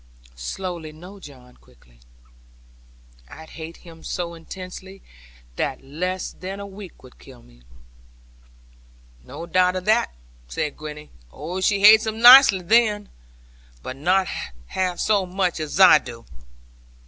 'Slowly! No, John, quickly. I hate him so intensely, that less than a week would kill me.' 'Not a doubt of that,' said Gwenny; 'oh, she hates him nicely then; but not half so much as I do.'